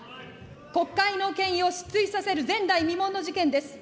国会の権威を失墜させる前代未聞の事件です。